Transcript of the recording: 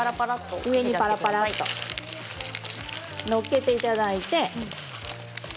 上にパラパラと載っけていただいて。